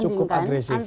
cukup agresif ya